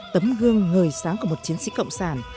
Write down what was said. tấm gương ngời sáng của một chiến sĩ cộng sản